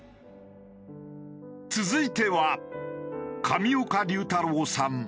続いては。